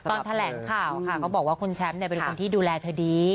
ตอนแถลงข่าวค่ะเขาบอกว่าคุณแชมป์เป็นคนที่ดูแลเธอดี